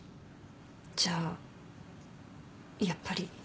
じゃあやっぱり。